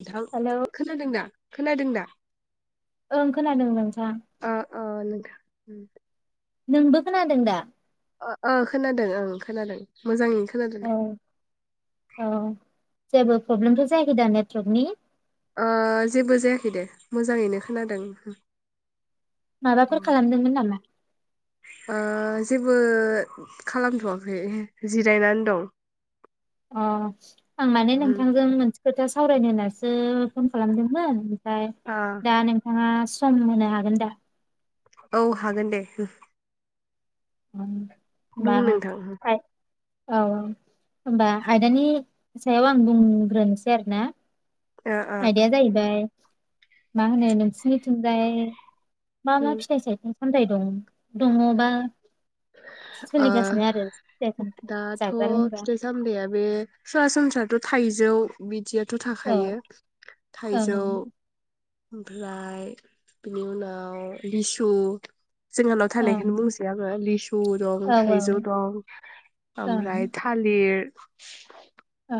नोंथां हेलौ खोनादों दा? खोनादों दा? ओं खोनादों नोंथां। उम। नोंबो खोनादों दा? अ ओ खोनादों ओं खोनादों मोजाङै। खोनादों औ दे। औ जेबो प्रब्लेमथ' जायाखै दा नेटवर्कनि? ओ जेबो जायाखै दे मोजाङैनो खोनादों। माबाफोर खालामदोंमोन नामा? ओ जेबो खालामथ'वाखै जिरायनानै दं। अ। आं माने नोंथांजों मोन खोथा सावरायनो होना उम फन खालामदोंमोन ओमफ्राय आ दा नोंथाङा सम होनो हागोन दा? औ हागोन दे। त बुं नोंथां। औ। होमबा आयदानि सायाव आं बुंग्रोनोसोय आरो ना। ओ ओ आइदाया जाहैबाय मा होनो नोंसिनि थिंजाय म मा फिथाइ सायखं सायथाय दं। दङ बा ओ सोलिगासिनो आरो फिथाइ सामथाइ दाथ' जाग्रा लोंग्रा फिथाइ सामथायाइया बे सरासनस्रा थ' थाइजौ बिदिया थ' औ थाखायो ओं थाइजौ ओमफ्राय बिनि उनाव लिसु जोंहा थानायखोनो ओं बुंसै आङो लिसु दं औ थाइजौ ओं दं ओमफ्राय थालिर उ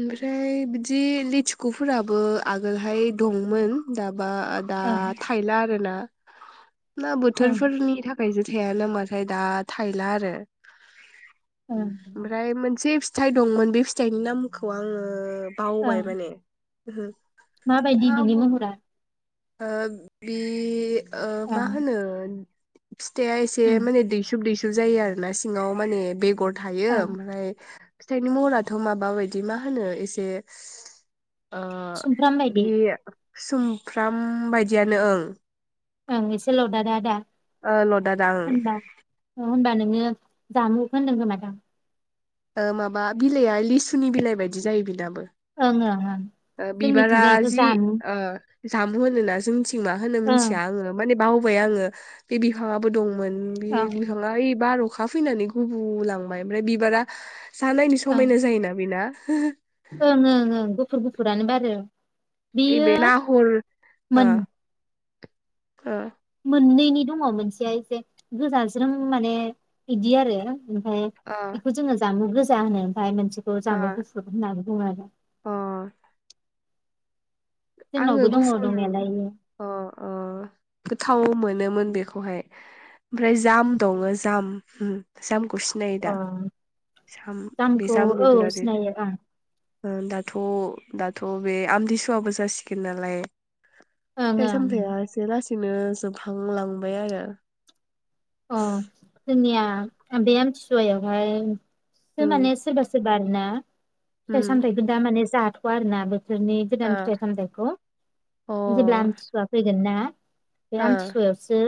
ओमफ्राय बिदि लेथिखुफोराबो आगोलहाय दंमोन दा माबा दा ओं थायला आरो ना। ना ओं बोथोरफोरनि थाखा बायजो थायानो हबाथाय दा थायला आरो ओं ओमफ्राय मोनसे फिथाइ दंमोन बे फिथाइनि नाम खौ आङो बाव बाय ओं माने ओहो माबायदि बिनि मा महरा? ओ बि ओ मा ओं होनो फिथाइया एसे ओं माने दैसुब दैसु जायो आरोना सिङाव माने बेगर थायो ओं ओमफ्राय फिथाइनि महराथ' माबा बायदि मा होनो एसे ओ सुमफ्राम बायदि बे सुम फ्राम बायदियानो ओं ओं एसे ल'दा दा दा ओ ल'दा दा ओं ङो जामुखौ होनदों खोमादां ओ माबा बिलाइआ लिसुनि बिलाइ बायदि जायो बिनाबो [unintelligible] ओ बिबारा जोंनिथिंजाय बेखौ जि जामु ओ जामु होनोना जोंनिथि मा होनो ओं मिथिया आङो माने बावबाय आङो बे बिफाङाबो दं मोन बि ओं बिफाङा ओइ बार अखा फैनानै गुबुलांबाय ओमफ्राय बिबारा जा नायनो ओं समायना जायोना बेना [inaudible] ओं ओं ओं गुफ फुर गुफुरानो बारो इ बेयो बे नाहर आ मोन ओ मोननैनि दङ मोनसेया एसे गोजाज्रोम माने बिदि आरो ओमफाय ओ बेखौ जोङो जामु गोस जा होनो ओमफाय मोनस बिखौ जामु अ गुफुर होनना बुङो आरो आङो जोंनावबो दङ गुफुर दंनायालाय इयो अ अ गोथावमोन नोमोन बेखौहाय ओमफाय जाम दङो जाम ओम जाम खौ अ सिनायोदा? जामखौ औ सिनायो ओं। ओ दाथ' दाथ' बे आमथिसुवा बो जासिगोन नालाय ओं फिथाइ सामथाइ एसे लास बिदिनो जोबहांलांबाय आरो अ जोंनिया बे आमथिसुवायावहाय जो उम माने सोरबा सोरबा आरो ना। फिथाइ उम सामथायाइखौ दा माने जाथ'आरो ना बे बिसोरनि गोदान फिथाइ सामथाइखौ ओ जेब्ला आमथिसुवा फैगोन ना। बे अ ओ आमथिसुवायावसो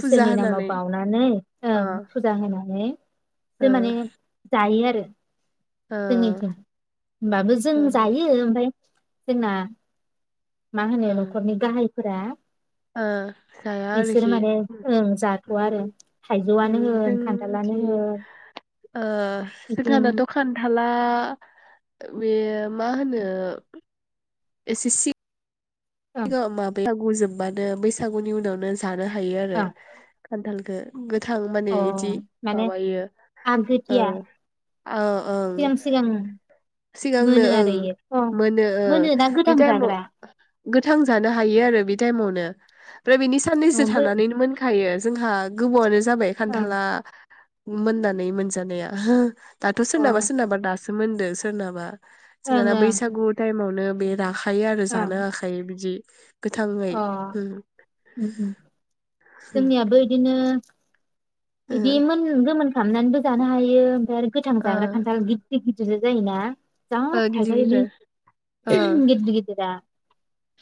फुजा इसोरनि नामाव होनानै बावनानै ओ ओं फुजा होनानै सो ओ माने जायो आरो ओ [inaudible] जोंनिथि होनबाबो जों ओ जायो ओमफ्राय जोंना मा होनो ओ न'खरनि गाहायफोरा ओ जाया बिसोर आरोखि माने ओ जा उम उम खान्थालानो जोंथि होन ओ बिथिं जोंहानथ' खान्थाला बे माहोनो एस एस सि ओं [unintelligible] माबेयाव होजोबबानो बैसागुनि उनावनो जानो हायो आरो ओं खान्थालखो गो थां माने अ बिदि माने माबायों ओ आगोथिया ओ ओं सिगां सिगां सिगांनो मोनो ओं आरो इयो अ मोहोनो मोनो ना बे गोथां टाइमाव जाग्रा गोथां जानो हायो आरो बे टाइमावनो ओमफ्राय बिनि साननैसो अ बै ओं थानानैनो मोनखायो जोंहा गोबावानो जाबाय अ खान्थाला मोननानै मोनजानाया। दाथ' सोरनाबा ओं सोरनाबा दास सोमोन्दो सोरनाबा जोंहा दा ओं बैसागु टाइमावनो बेरा थायो आरो जानो ओं बिदि अ उम उम उम जोंनियाबो बिदिनो ओ बिदि मोन गोमोन खालामनानैबो जानो हायो ओमफ्राय आरो गोथां ओ जाग्रा खान्थाल गिदिर गिदिर जो जायो ना जा ओ गिदिर थायो बे गिदिर ओ गिदिर गिदिरा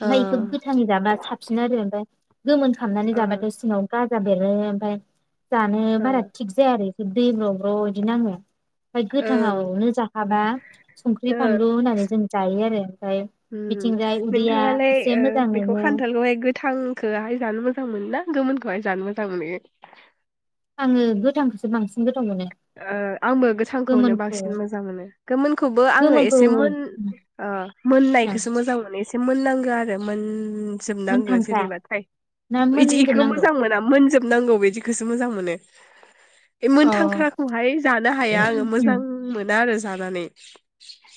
ओ नायखो गोथांङै जाबा साबसिन आरो ओमफ्राय गोमोन खालामनानै ओ जाबाथाय सिनाव गा गाजा बेरो ओफ्राय जानो ओ बारा थिग जाया आरो दै ब्र' ब्र' बिदि नाङो ओमफ्राय ओं गोथाङावनो जाखाबा संख्रि ओ फानलु होननानै जों जायो आरो ओमफाय उम मिथिंजाय उदैया नोंथाङालाय एसे ओ मो बेखौ खान्थालखौहाय गोथांखौहाय जानो मोजां मोन ना? गोमोनखौहाय जानो मोजां मोनो? ओ गोथांखौसो बांसिन गो ओ आंबो गोथांखौनो बांसिन मोजां मोनो गोमोनखौबो आङो गोमोनखौ एसे मोन मोननायखौसो मोजां मोनो एसे मोननांगौ आरो मोन उम मोनजोबनागौ मोनथांखा जेनेबा ना बिदि मोनजोबनांगौ मोजां मोना मोनजोब नांगौ बिदिखौसो मोजां मोनो बे अ मोनथांख्रा खौहाय जानो हाया ओं आङो मोजां मोना आरो जानानै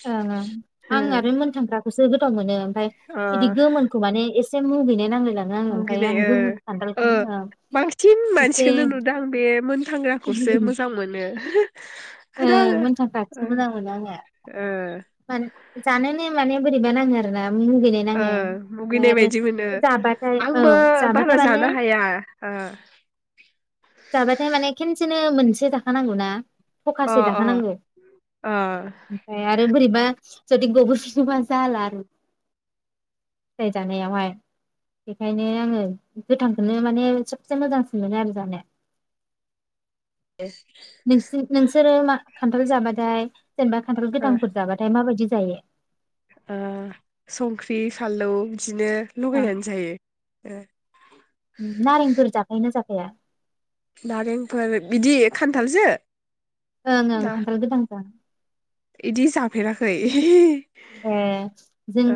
ओं ओं हो आं आरो मोनथांख्रा खौसो गोथावमोनो ओमफाय ओ बिदि गोमोनखौ माने एस से मुगैनाय नांगो मुगिनाय ओ ओ बांसिन एसे मानसिखौनो नुदों आं बे मोनथांग्राखौसो मोजां मोनो ओं आरो आङो ओ मोनथांख्राखौसो मोजां मोनो आङो ओ मा जानोबो माने बोरैबा नांङो आरोना मुगैनाय ओ नाङो ओमफ्राय मुगैनाय आरो बायदि मोनो जाबाथाय औ आंबो जाबाथाय बारा माने जानो हाया ओ एसे थाखा नांगौ ना अ थखासे जाहोनांगौ ओ ओमफ्राय आरो बोरैबा जुदि गबोफियोबा जाला आरो फिथाय जानायावहाय बेखायनो आङो गोथांखौनो माने सबसे मोजांसिन मोनो आरो जानो नोंसि नोंसोरो मा खान्थाल जाबाथाय जेनेबा खान्थाल ओ गोथांफोर जाबाथाय माबायदि जायो ओ संख्रि फानलौ बिदिनो ओ लगायनानै जायो ओ फाया नारेंफोर बिदि खान्थालजो? ओंं ओं ना खान्थाल गोथां जों इदि जाफेराखै ए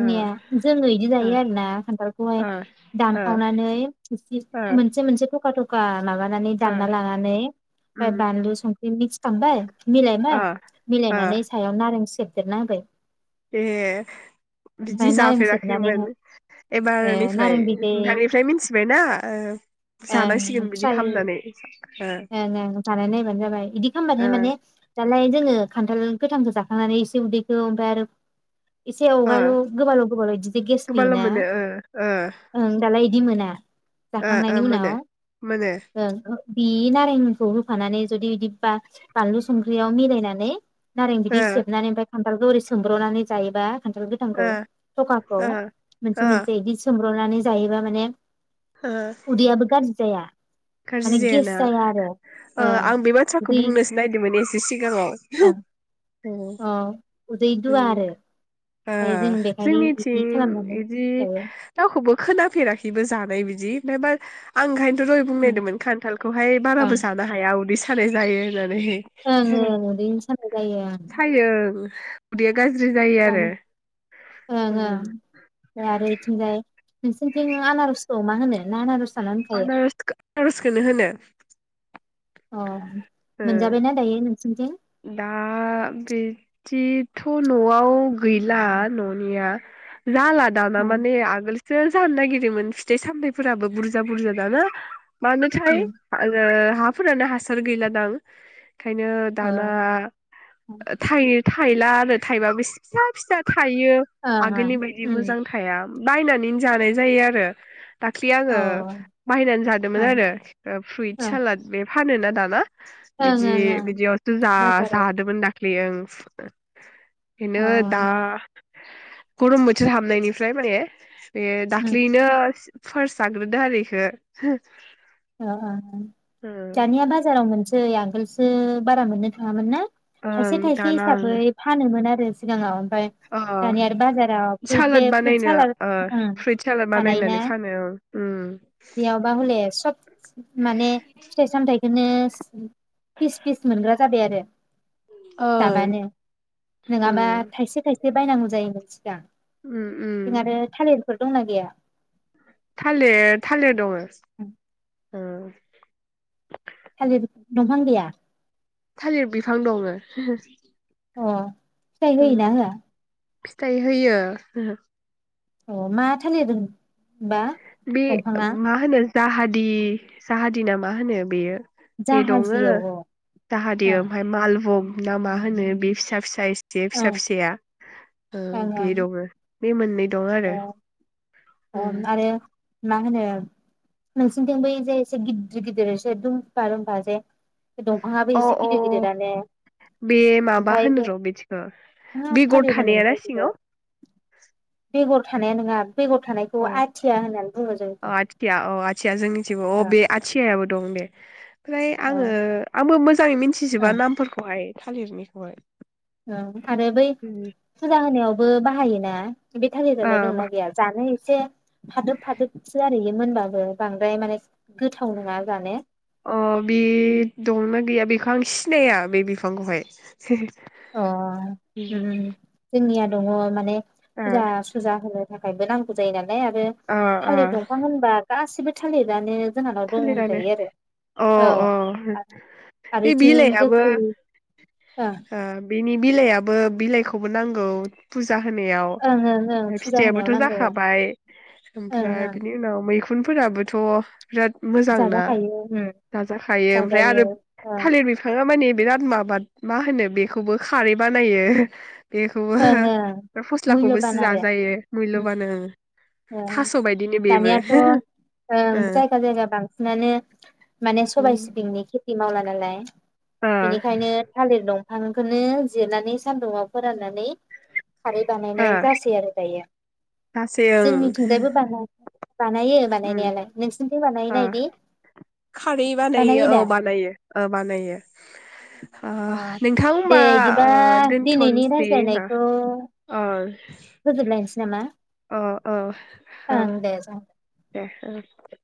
ओ जोङो इदि ओ जायो आरोना खान्थालखौहाय ओ ओ दानखावनानै एसे ओ मोनसे मोनसे थखा थख खा माबानानै ओ दानना लानानै उम ओमफ्राय बानलु संख्रि मिक्स खामबाय ओ मिलायबाय ओ मिलायनानै सायाव नारें से सेरना होबाय ए बिदि ओमफ्राय नारें जाफेराखैमोन सेबनानैहाय ए एबारनिफ्राय नारें बिदै नोंथानिफ्राय मिथिबायना ओ जानांसिगोन बिदि खामनानै ओं ओं जानाय नायबानो जाबाय इदि खामबाथाय ओ माने दालाय जोङो खान्थाल गोथांखौ जाखांनानै एसे उदैखौ ओमफ्राय आरो एसे ओ अगायल' गोबाल' गोबाल' बिदिस गेस गोबाल' फैयोना मोनो ओ ओ ओं दालाय बिदि मोना ओ जाखांनायनि ओ मोनो उनाव मोनो ओं उ बि नारेंखौ होफानानै जुदि बि बा-बानलु संख्रियाव मिलायनानै नारें बिदै ओ सेबनानै ओमफ्राय खान्थाल दौरि सोमब्र'नानै जायोबा खान्थाल गोथांखौ ओ थखाखौ ओ ओ मोनसे मोनसे बिदि सोम ब्रनानै जायोबा माने ओ उदैयाबो गाज्रि जाया गाज्रि माने जाया गेस ना। आरो अ ओ आं बे बाथ्राखौ उदै बुंनोसो नायदोंमोन एस [unintelligible] सिगाङाव [unintelligible] ओम अ उदै दुवा आरो ओ ओमफ्राय जों बेखायनो जोंनिथिं बिदि खालामनानै बिदि जायो रावखौबो खोनाफेराखैबो जानाय बिदि जि नबा आं ओंखायथ'ज ओं मोन खान्थालखौहाय ओं बाराबो जानो हाया उदै सा सानाय जायो। ओं होननानै। ओं दैनो साननाय जायो आं सायो उदैया गाज्रि जायो आरो [unintelligible] आरो इथिंजाय नोंसनिथिं आनारसखौ मा होनो ना आनारस जाना होनखायो आनारसखौ आनारसखौनो होनो अ ओ मोनजाबायना दायो नों [unintelligible] दा बिदिथ' न'आव गैला न'निया जाला दाना ओं माने आगोलसो। जानो नागिरदोंमोन फिथाइ सामथथायफोराबो बुरजा बुरजा दाना। मानोथाय ओम हाफोरानो हास हासार गैलादां ओंखायनो अ दाना ओं थाइ थाइला आरो थाइबाबो सिसा फिसा था थायो ओं आगोलनि बायदि ओम मोजां थाया बायनानै जानाय जायो आरो दाखलै अ आंङो ओं बायनानै जादोंमोन ओं आरो ओ फ्रुइट सालाद बे फानोना दाना। ओं बिदि ओं ओं बिदियाव जा बाजाराव जादोंमोन दाख ख्लिं स अ बिनो दा गरम बोथोर हाबनायनिफ्राय माने बे ओम दाख्लिनो फार्स जाग्रोदो आरो इखो अ अ अ ओं दानिया बाजाराव मोन [unintelligible] आगोलसो बारा मोननो थाङामोन ना? थाइसे थाइसे दाना हिसाबै फानोमोन आ [unintelligible] सिगाङाव ओमफ्राय अ दानिया आरो बाजाराव फ्रुइट बे सालाद फ्रुइट बानायनो सालाद अ ओम फ्रुइट सालाद बानायोना बानायनानै फानो उम उम बेयावबा हले सब माने फिथाय-सामथाय बिदिनो फिस फिस मोनग्रा जाबाय आरो। ओ जाबानो नङाबा उम थायसे थायसे बायनांगौ जायोमोन। दा उम उम फोर दंना गैया? थालिर थालिर दङो। ओ दंफां गैया? थालिर बिफां दङो। अ फिथाय होयोना उम होआ? फिथाइ होयो। अ मा थालिर दों बे मा होनो जाहादि जाहादिना मा होनो बेयो। बे दङो जाहाजि औ औ जाहादि औ ओमफ्राय मालभग ना मा होनो बे फिसा फिसा जे फिसा ओं फिसाया ओ ओं बे दङो। बे मोननै दं आरो। अ उम आरो मा होनो नोंसिनिथिंबो ओइजे एसे गिदिर गिदिर एसे दुमफा दुमफा जे दंफाङाबो अ एसे अ गिदिर गिदिरानो बे माबा ओमफ्राय होनो बे र' बिदिखौ मा बेगर थालिर थानाया ना होनोमोनथाय सिङाव? गर थानाया नङा बेगर थानायखौ अ आथिया होननानै बुङो अ जोंनिथिं आथिया अ आथिया जोंनिथिंबो अ ओ बे आथियाबो दं दे। ओमफ्राय ओ आङो आंबो मोजाङै ओ मिनथिजोबा नामफोरखौहाय। थालिरनिखौहाय आरो बै फुजा होनायावबो बाहायोना बे ओ थालिरालाय मा दंना गैया जानो एसे फादोब फादोबसो आरो बेयो मोनबाबो बांद्राय माने गोथाव नङा जानो अ बे दंना गैया बेखौ बां सिनाया बे बिफांखौहाय अ उम्म जोंनि आर दङ माने ओ जा सुजा होनो थाखायबो नांगौ जायो ना ओमफ्राय आरो ओ ओ थालिर दंफां होनोबा गासैबो थालिदानो थालिरानो अ अ औ आरो बे इथिं बिलायाबो गोखै ओं ओ बिनि बिलायाबो बिलाइखौबो नांगौ फुजा होनायाव ओं ओं ओं फुजा होनायाव फिथायाबोथ' नांगौ जाखाबाय ओं ओमफ्राय ओं बिनि उनाव मै खुनफोराबोथ' बिराद मोजांना जाजाखायो उम जाजाखायो ओमफ्राय जाजायो आरो ओं थालिर बिफाङा माने बिराद माबा मा होनो बेखौबो खारै बानायो बेखौबो ओं ओं मुल्यबान फस्लाखौबोसो आरो जाजायो उम मैलबान ओ थास' बायदिनो बेबो दानियाथ' ओं जायगा जायगा बांसिनानो माने ओ सबाय सिबिंनि खिथि मावलानालाय बेनिखायनो थालिर दं दंफां खौनो जिरनानै सान्दुंयाव फोराननानै नै खारै बानायनाय जासै आरो दायो जोंनिथिंजायबो बानाय बानायो उम्म बानायनायालाय नोंसिनिथिं ओ बानायोना इदि खारै बानायो औ बानायो ओ बानायो। ओ अ नोंथां दे होमबा बिदिबा ओ दिनैनि दोनथ'नोसै मा रायज्लायनायखौ ओ फोजोबलायनोसै नामा ओ ओ ओ ओं दे जागोन दे। दे ओं